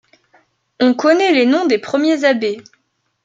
On connait les noms des premiers abbés.